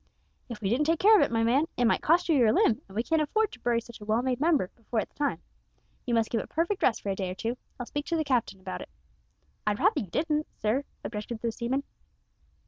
"If we didn't take care of it, my man, it might cost you your limb, and we can't afford to bury such a well made member before its time! You must give it perfect rest for a day or two. I'll speak to the captain about it." "I'd rather you didn't, sir," objected the seaman.